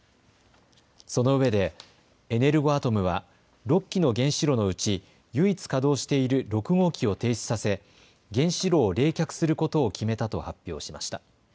そのうえで、エネルゴアトムは６基の原子炉のうち唯一稼働している６号機を停止させ、原子炉を冷却することを決めたと発表しました。